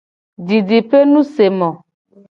Didipenusemo.